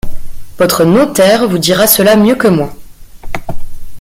Votre notaire vous dira cela mieux que moi.